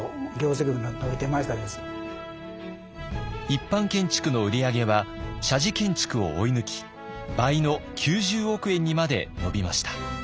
一般建築の売り上げは社寺建築を追い抜き倍の９０億円にまで伸びました。